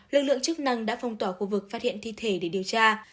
lực lượng chức năng đã phong tỏa khu vực phát hiện thi thể để điều tra